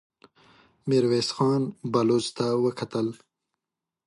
ميرويس خان بلوڅ ته وکتل.